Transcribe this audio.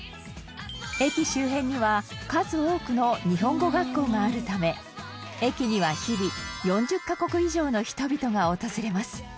駅周辺には数多くの日本語学校があるため駅には、日々４０カ国以上の人々が訪れます